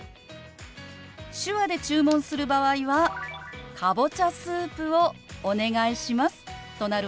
手話で注文する場合は「かぼちゃスープをお願いします」となるわよ。